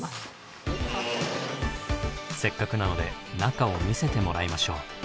せっかくなので中を見せてもらいましょう。